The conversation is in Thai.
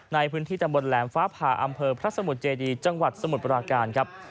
ในพื้นที่ตำบลแหลมฟ้าผ่าอำเภอพระสมุทรเจดีจังหวัดสมุทรปราการครับ